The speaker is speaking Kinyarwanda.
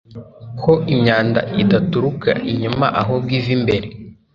ko imyanda idaturuka inyuma ahubwo iva imbere.